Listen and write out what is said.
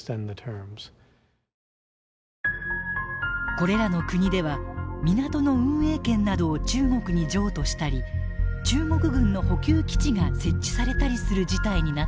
これらの国では港の運営権などを中国に譲渡したり中国軍の補給基地が設置されたりする事態になっています。